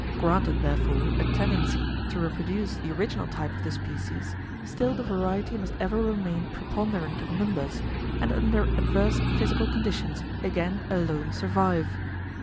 Granted, therefore, a "tendency" to reproduce the original type of the species, still the variety must ever remain preponderant in numbers, and under adverse physical conditions again alone survive.